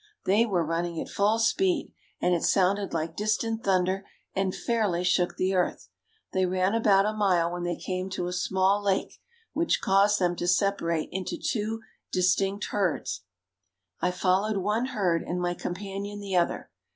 They were running at full speed and it sounded like distant thunder and fairly shook the earth. They ran about a mile when they came to a small lake, which caused them to separate into two distinct herds. I followed one herd and my companion the other.